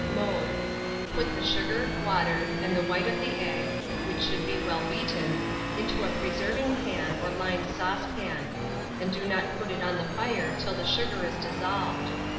Mode. Put the sugar, water, and the white of the egg, which should, be well beaten, into a preserving pan or lined saucepan; and do not put it on the fire till the sugar is dissolved.